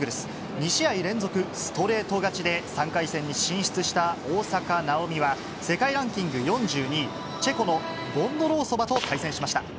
２試合連続ストレート勝ちで、３回戦に進出した大坂なおみは、世界ランキング４２位、チェコのボンドロウソバと対戦しました。